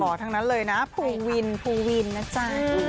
หล่อทั้งนั้นเลยนะภูวินนะจ๊ะ